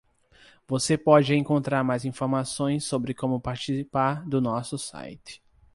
Você pode encontrar mais informações sobre como participar do nosso site.